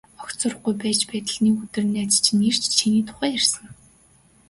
Огт сураггүй байтал нэг өдөр найз чинь ирж, чиний тухай ярьсан.